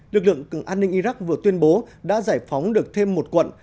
lực lượng an ninh iraq vừa tuyên bố đã giải phóng được thêm một quận